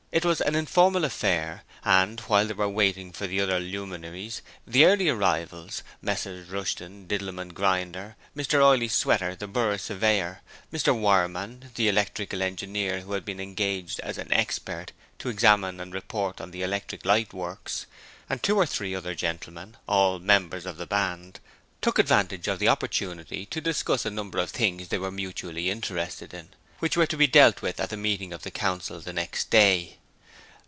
It was an informal affair, and while they were waiting for the other luminaries, the early arrivals, Messrs Rushton, Didlum and Grinder, Mr Oyley Sweater, the Borough Surveyor, Mr Wireman, the electrical engineer who had been engaged as an 'expert' to examine and report on the Electric Light Works, and two or three other gentlemen all members of the Band took advantage of the opportunity to discuss a number of things they were mutually interested in, which were to be dealt with at the meeting of the Town Council the next day.